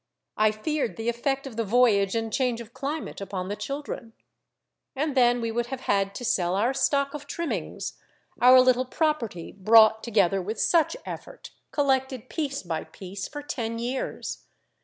I feared the effect of the voyage and change of climate upon the children. And then we would have had to sell our stock of trimmings, our little property brought together with such effort, collected piece by piece for ten years.